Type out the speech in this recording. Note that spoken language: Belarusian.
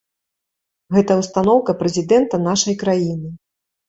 Гэта ўстаноўка прэзідэнта нашай краіны.